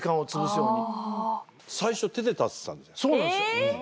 そうなんですよ。